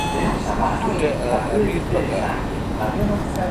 تاٹھ اؘ امیر پکار این اؘ۔